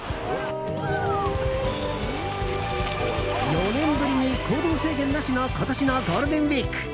４年ぶりに行動制限なしの今年のゴールデンウィーク。